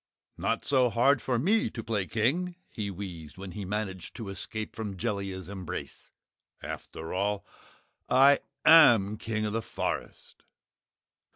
"Not so hard for ME to play King," he wheezed when he managed to escape from Jellia's embrace. "After all I AM King of the Forest!"